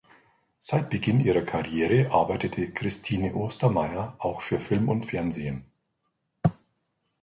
Seit Beginn ihrer Karriere arbeitet Christine Ostermayer auch für Film und Fernsehen.